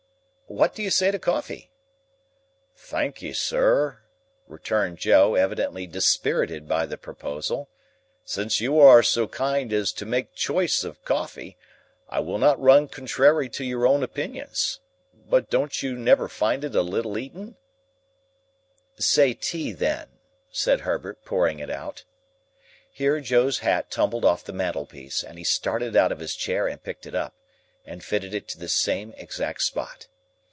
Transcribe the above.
"What do you say to coffee?" "Thankee, Sir," returned Joe, evidently dispirited by the proposal, "since you are so kind as make chice of coffee, I will not run contrairy to your own opinions. But don't you never find it a little 'eating?" "Say tea then," said Herbert, pouring it out. Here Joe's hat tumbled off the mantel piece, and he started out of his chair and picked it up, and fitted it to the same exact spot.